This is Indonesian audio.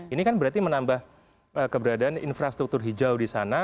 ini kan berarti menambah keberadaan infrastruktur hijau di sana